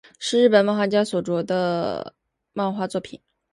是日本漫画家所着的漫画作品。